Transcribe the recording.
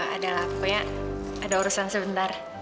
adalah pokoknya ada urusan sebentar